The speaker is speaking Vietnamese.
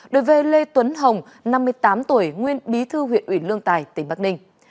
đối với lê tuấn hồng năm mươi tám tuổi nguyên bí thư huyện ủy lương tài tỉnh bắc ninh